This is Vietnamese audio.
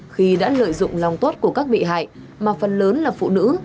khi đã lợi dụng lòng tốt của các bị hại mà phần lớn là phụ nữ